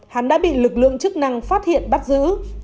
hắn đã bị lực lượng chức năng phát hiện bắt giữ